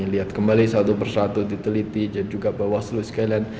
lihat kembali satu persatu diteliti dan juga bawaslu sekalian